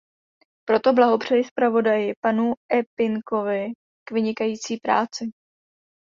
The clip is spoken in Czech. Proto blahopřeji zpravodaji, panu Eppinkovi, k vynikající práci.